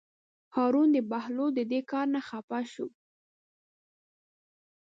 هارون د بهلول د دې کار نه خپه شو.